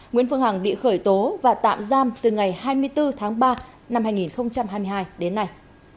nguyễn phương hằng bị khởi tố và tạm giam từ ngày hai mươi bốn tháng ba năm hai nghìn hai mươi hai đến nay